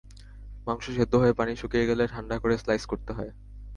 মাংস সেদ্ধ হয়ে পানি শুকিয়ে গেলে ঠান্ডা করে স্লাইস করতে হবে।